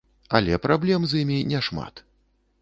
Але праблем з імі няшмат.